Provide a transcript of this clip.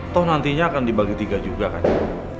toh nantinya akan dibagi tiga saja ya